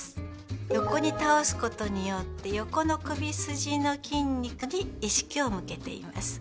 横に倒すことによって横の首筋の筋肉に意識を向けています。